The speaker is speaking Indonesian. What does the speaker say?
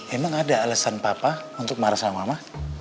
emang ada alasan papa untuk marah sama mama